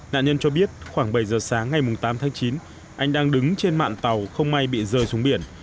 nạn nhân cho biết khoảng bảy giờ sáng ngày tám tháng chín anh đang đứng trên mạng tàu không may bị rơi xuống biển